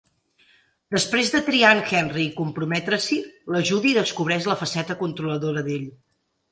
Després de triar en Henri i comprometre-s'hi, la Judy descobreix la faceta controladora d'ell.